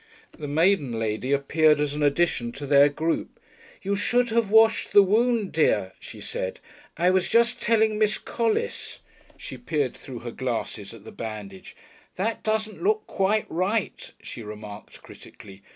The maiden lady appeared as an addition to their group. "You should have washed the wound, dear," she said. "I was just telling Miss Collis." She peered through her glasses at the bandage. "That doesn't look quite right," she remarked critically.